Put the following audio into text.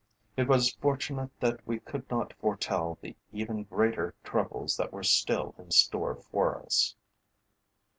It was fortunate that we could not foretell the even greater troubles that were still in store for us.